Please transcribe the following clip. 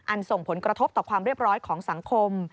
ส่งผลกระทบต่อความเรียบร้อยของสังคม